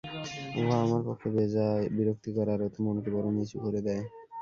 উহা আমার পক্ষে বেজায় বিরক্তিকর আর ওতে মনকে বড় নীচু করে দেয়।